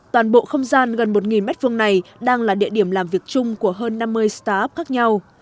toàn bộ không gian gần một m hai này đang là địa điểm làm việc chung của hơn năm mươi start up khác nhau